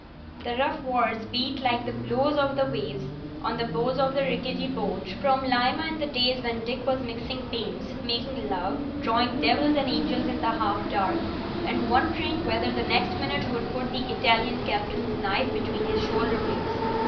The rough words beat like the blows of the waves on the bows of the rickety boat from Lima in the days when Dick was mixing paints, making love, drawing devils and angels in the half dark, and wondering whether the next minute would put the Italian captain's knife between his shoulder blades.